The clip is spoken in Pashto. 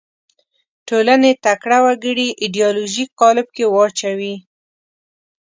ټولنې تکړه وګړي ایدیالوژیک قالب کې واچوي